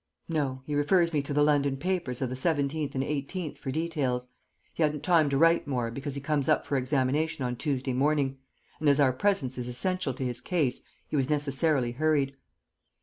"No. He refers me to the London papers of the 17th and 18th for details. He hadn't time to write more, because he comes up for examination on Tuesday morning, and as our presence is essential to his case he was necessarily hurried."